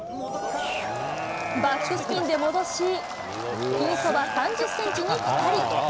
バックスピンで戻し、ピンそば３０センチにぴたり。